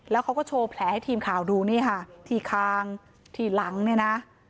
แล้วเขาก็โชว์แผลให้ทีมข่าวดูนี่ค่ะที่คางที่หลังเนี่ยนะ